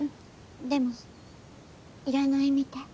でも要らないみたい。